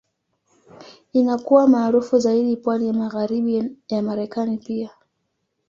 Inakuwa maarufu zaidi pwani ya Magharibi ya Marekani pia.